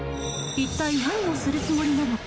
一体何をするつもりなのか。